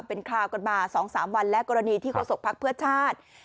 เป็นคราวกันมา๒๓วันและกรณีที่โฆษกภักดิ์เพื่อชาติ